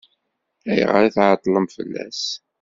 Ayɣer i tɛeṭṭlem fell-as?